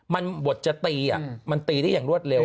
มันบทจะตีมันตีได้อย่างรวดเร็ว